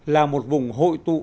là một vùng hội tụ